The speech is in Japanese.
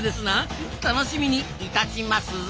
楽しみにイタチますぞ。